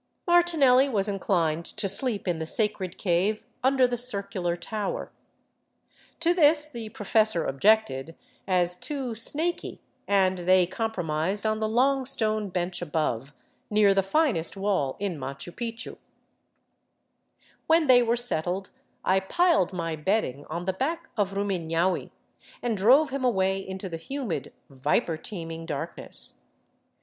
Martlnelli was inclined to sleep in the sacred cave under the circu lar tower. To this the professor objected, as too " snaky,'* and they compromised on the long stone bench above, near the finest wall In Machu Picchu. When they were settled, I piled my bedding on the back of Ruminaul, and drove him away into the humid, viper teeming darkness.